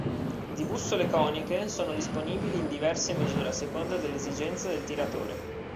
Di bussole coniche sono disponibili in diverse misure a seconda delle esigenze del tiratore.